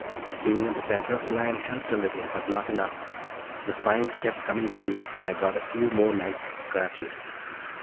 Being in the center of the line helped a little but not enough; the spines kept coming through and I got a few more nice scratches.